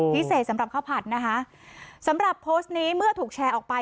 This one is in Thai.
สำหรับข้าวผัดนะคะสำหรับโพสต์นี้เมื่อถูกแชร์ออกไป